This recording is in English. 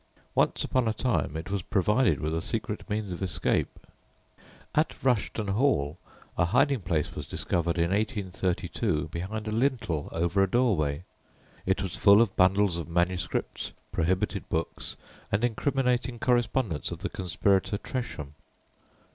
Once upon a time it was provided with a secret means of escape. At Rushton Hall a hiding place was discovered in 1832 behind a lintel over a doorway; it was full of bundles of manuscripts, prohibited books, and incriminating correspondence of the conspirator Tresham.